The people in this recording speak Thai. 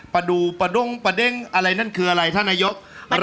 ปาดู่ปาดุ่งปาเด็งอะไรนั่นคืออะไรท่านอายุก